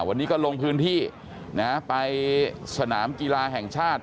วันนี้ก็ลงพื้นที่ไปสนามกีฬาแห่งชาติ